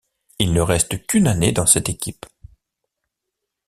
Il ne reste qu'une année dans cette équipe.